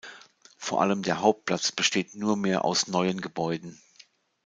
Vor allem der Hauptplatz besteht nur mehr aus neuen Gebäuden.